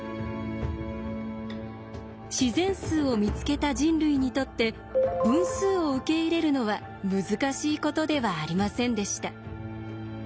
自然数を見つけた人類にとって分数を受け入れるのは難しいことではありませんでした。